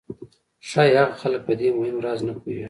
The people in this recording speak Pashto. ښایي هغه خلک په دې مهم راز نه پوهېږي